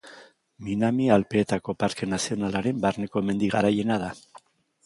Minami Alpeetako Parke Nazionalaren barneko mendi garaiena da.